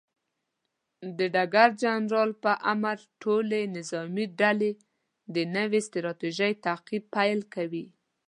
د ډګر جنرال پر امر، ټولې نظامي ډلې د نوې ستراتیژۍ تعقیب پیل کوي.